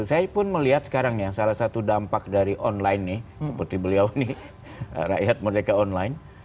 saya pun melihat sekarang ya salah satu dampak dari online nih seperti beliau nih rakyat merdeka online